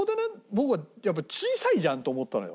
僕はやっぱり小さいじゃんと思ったのよ。